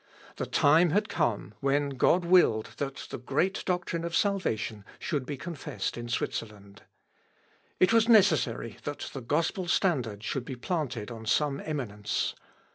The time had come when God willed that the great doctrine of salvation should be confessed in Switzerland. It was necessary that the gospel standard should be planted on some eminence.